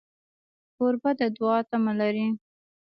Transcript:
کوربه د دوعا تمه لري.